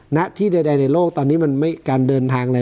ณที่ใดในโลกตอนนี้มันไม่การเดินทางอะไร